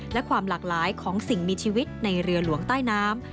และความหลากหลายของสิ่งมีชีวิตในเรือหลวงใต้น้ำ